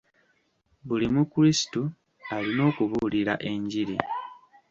Buli mukrisitu alina okubuulira enjiri.